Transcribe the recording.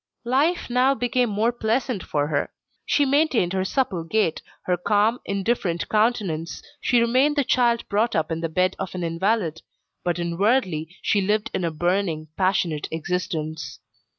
Life now became more pleasant for her. She maintained her supple gait, her calm, indifferent countenance, she remained the child brought up in the bed of an invalid; but inwardly she lived a burning, passionate existence.